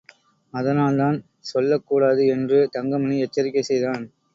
அதனால் தான் சொல்லக்கூடாது என்று தங்கமணி எச்சரிக்கை செய்தான்.